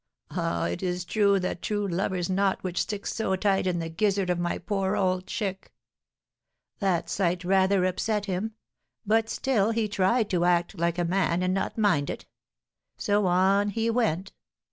(Ah, it is that true lover's knot which sticks so tight in the gizzard of my poor old chick!) That sight rather upset him; but still he tried to act like a man and not mind it. So on he went.